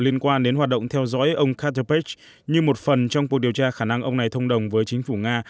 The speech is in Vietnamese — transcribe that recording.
liên quan đến hoạt động theo dõi ông caterpech như một phần trong cuộc điều tra khả năng ông này thông đồng với chính phủ nga